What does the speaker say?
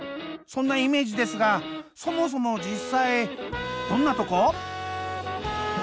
そんなイメージですがそもそも実際どんなとこ？